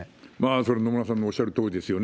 それは野村さんのおっしゃるとおりですよね。